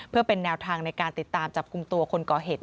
เพื่อเป็นแนวทางในการติดตามจับกลุ่มตัวคนก่อเหตุ